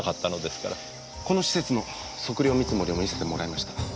この施設の測量見積もりを見せてもらいました。